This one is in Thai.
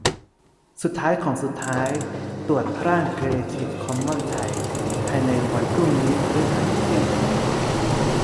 สุดท้ายของสุดท้าย ตรวจร่างครีเอทีฟคอมมอนส์ไทย ภายในวันพรุ่งนี้ พฤหัส เที่ยงคืน